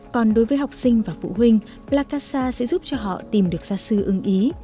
còn đối với học sinh và phụ huynh plakasa sẽ giúp cho họ tìm được gia sư ưng ý